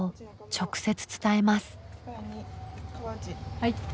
はい。